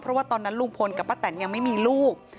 เพราะว่าตอนนั้นลุงพลกับป้าแตนยังไม่มีลูก